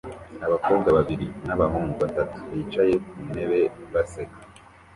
Abakobwa babiri n'abahungu batatu bicaye ku ntebe baseka